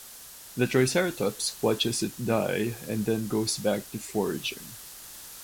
The "Triceratops" watches it die and then goes back to foraging.